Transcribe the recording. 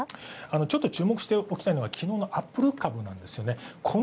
ちょっと、注目しておきたいのが昨日のアップル株なんですよね。